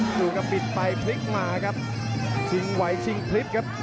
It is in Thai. พุธก็ปิดปลายโฟลี่มาครับชิงไวชิงพลิศครับ